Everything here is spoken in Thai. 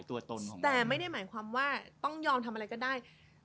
แต่ไม่ได้หมายความว่าต้องยอมทำอะไรก็ได้